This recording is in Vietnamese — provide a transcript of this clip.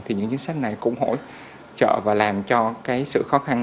thì những chính sách này cũng hỗ trợ và làm cho cái sự khó khăn